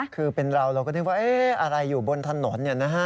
คือเป็นราวเราก็นึกว่าอะไรอยู่บนถนนเนี่ยนะคะ